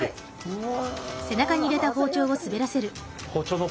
うわ！